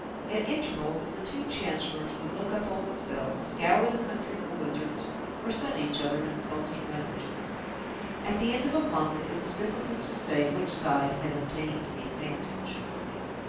At intervals the two Chancellors would look up old spells, scour the country for wizards, or send each other insulting messages. At the end of a month it was difficult to say which side had obtained the advantage.